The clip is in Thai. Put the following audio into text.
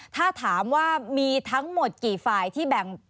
ถ้าถามว่ามีทั้งหมดกี่ฝ่ายที่แบ่ง